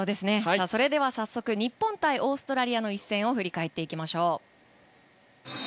それでは早速日本対オーストラリアの一戦を振り返っていきましょう。